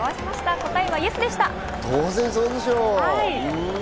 答えは当然そうでしょう。